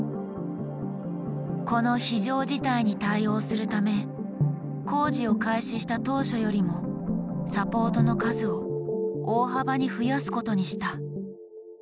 この非常事態に対応するため工事を開始した当初よりもサポートの数を大幅に増やすことにした。